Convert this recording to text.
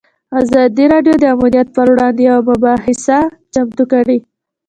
ازادي راډیو د امنیت پر وړاندې یوه مباحثه چمتو کړې.